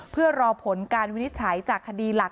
เพื่อรอผลการวินิจฉัยจากคดีหลัก